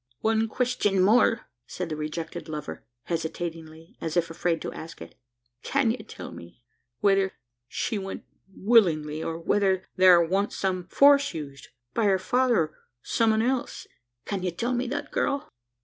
"One question more!" said the rejected lover hesitatingly, as if afraid to ask it. "Can ye tell me whether she went willingly, or whether thar wan't some force used? by her father, or some un else? Can ye tell me that, girl?"